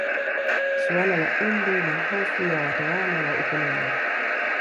Suala la umri na hofu ya watawala wa ukoloni